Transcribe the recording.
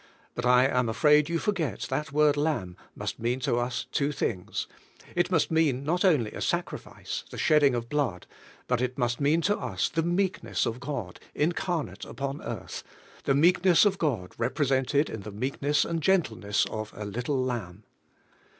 But I am afraid you forget that the word "Lamb" must mean to us two things: it must mean not only a sacrifice, the shedding of blood, but it must mean to us the meekness of CHRIST S HUMILITY OUR SALVATION 91 God, incarnate upon earth, the meekness of God represented in the meekness and gentleness of a little Lamb.